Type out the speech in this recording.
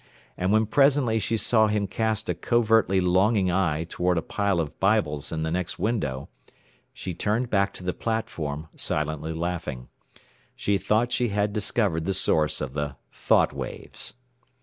And when presently she saw him cast a covertly longing eye toward a pile of Bibles in the next window, she turned back to the platform, silently laughing. She thought she had discovered the source of the "thought waves."